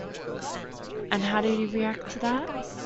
And how did he react to that?